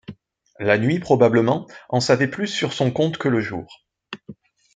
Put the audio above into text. La nuit probablement en savait plus sur son compte que le jour.